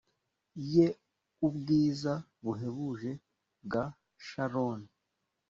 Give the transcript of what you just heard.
ye ubwiza buhebuje bwa sharoni